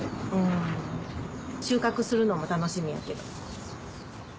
収穫するのも楽しみやけど。